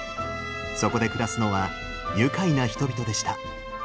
そこで暮らすのは愉快な人々でした。